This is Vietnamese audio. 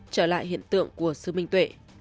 trở lại hiện tượng của sư minh tuệ